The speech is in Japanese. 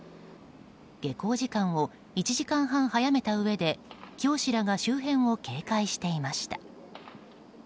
下校時間を１時間半早めたうえで教師らが周辺を警戒していました。